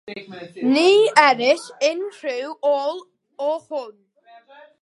Ni erys unrhyw ôl o hwn.